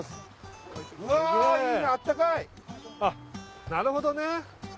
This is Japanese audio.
っなるほどね。